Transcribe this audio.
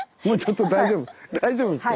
もうちょっと大丈夫。